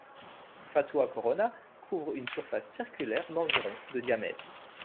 Fatua Corona couvre une surface circulaire d'environ de diamètre.